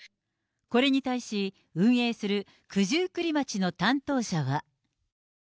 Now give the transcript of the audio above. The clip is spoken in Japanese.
これに対し運営する九十九里町の担当者は。